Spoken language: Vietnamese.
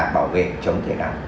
bảo vệ chống thể nặng